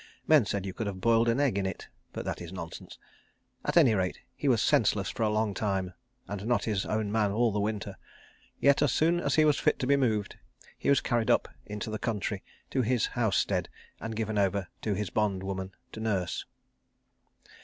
Men said you could have boiled an egg in it; but that is nonsense. At any rate, he was senseless for a long time, and not his own man all the winter; yet as soon as he was fit to be moved he was carried up into the country, to his house stead, and given over to his bondwoman to nurse.